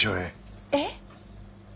えっ？